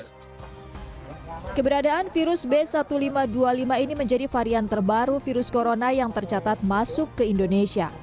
keberadaan virus b seribu lima ratus dua puluh lima ini menjadi varian terbaru virus corona yang tercatat masuk ke indonesia